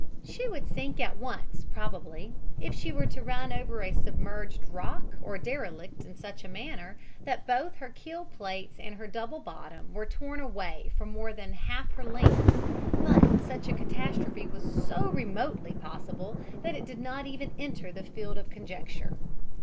She would sink at once, probably, if she were to run over a submerged rock or derelict in such manner that both her keel plates and her double bottom were torn away for more than half her length; but such a catastrophe was so remotely possible that it did not even enter the field of conjecture.